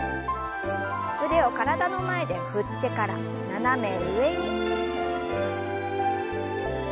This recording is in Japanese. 腕を体の前で振ってから斜め上に。